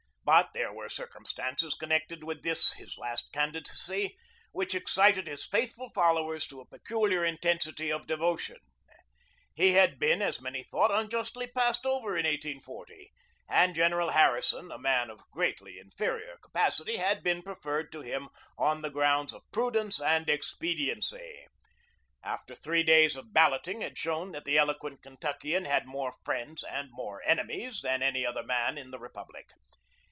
But there were circumstances connected with this his last candidacy which excited his faithful followers to a peculiar intensity of devotion. He had been, as many thought, unjustly passed over in 1840, and General Harrison, a man of greatly inferior capacity, had been preferred to him on the grounds of prudence and expediency, after three days of balloting had shown that the eloquent Kentuckian had more friends and more enemies than any other man in the republic.